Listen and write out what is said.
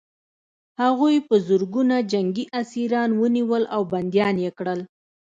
هغوی په زرګونه جنګي اسیران ونیول او بندیان یې کړل